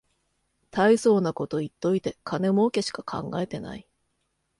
たいそうなこと言っといて金もうけしか考えてない